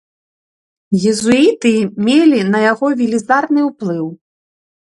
Езуіты мелі на яго велізарны ўплыў.